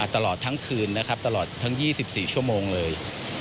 ตลอดทั้งคืนนะครับตลอดทั้ง๒๔ชั่วโมงเลย